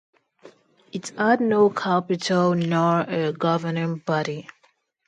It had no capital nor a governing body.